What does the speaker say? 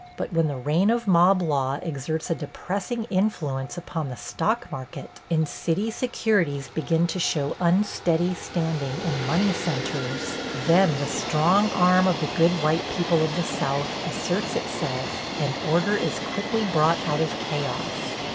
But when the reign of mob law exerts a depressing influence upon the stock market and city securities begin to show unsteady standing in money centers, then the strong arm of the good white people of the South asserts itself and order is quickly brought out of chaos.